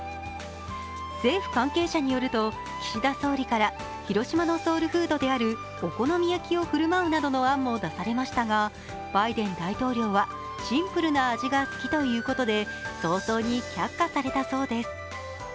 政府関係者によると岸田総理から広島のソウルフードであるお好み焼きを振る舞うなどの案も出されましたがバイデン大統領はシンプルな味が好きということで早々に却下されたそうです。